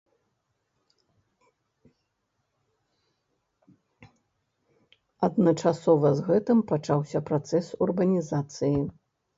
Адначасова з гэтым пачаўся працэс урбанізацыі.